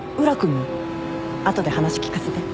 後で話聞かせて。